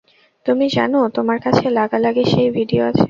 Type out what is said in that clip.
তুমি জানো, তোমার কাছে লাগালাগির সেই ভিডিও আছে।